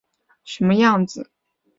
长什么样子